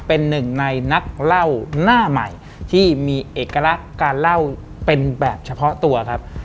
เป็นหนึ่งในนักเล่าหน้าใหม่ที่มีเอกลักษณ์การเล่าเป็นแบบเฉพาะตัวครับ